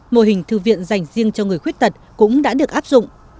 mô hình thư viện dành riêng cho người khuyết tật cũng đã được áp dụng